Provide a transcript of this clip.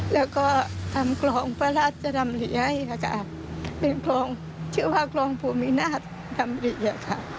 แล้วก็ทำคลองพระราชดำริยค่ะเป็นคลองชื่อว่าคลองภูมินาศดำริค่ะ